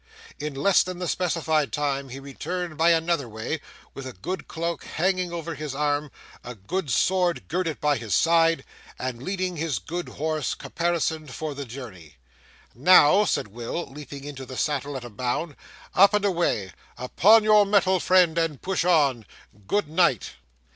In less than the specified time he returned by another way, with a good cloak hanging over his arm, a good sword girded by his side, and leading his good horse caparisoned for the journey. 'Now,' said Will, leaping into the saddle at a bound, 'up and away. Upon your mettle, friend, and push on. Good night!